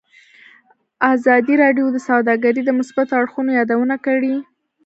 ازادي راډیو د سوداګري د مثبتو اړخونو یادونه کړې.